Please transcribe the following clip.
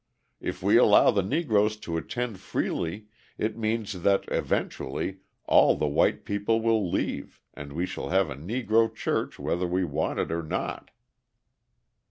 If we allow the Negroes to attend freely it means that eventually all the white people will leave and we shall have a Negro church whether we want it or not."